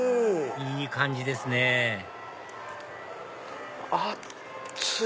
いい感じですね熱い！